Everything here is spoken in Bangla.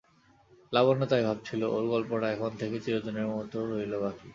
লাবণ্য তাই ভাবছিল, ওর গল্পটা এখন থেকে চিরদিনের মতো রইল বাকি।